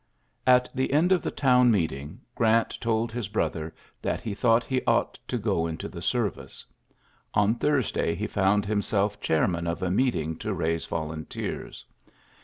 At the end of the town meeting. Grant told his brother that he thought he ought to go into the service. On Thursday he found himself chairman of a meeting to raise volunteers.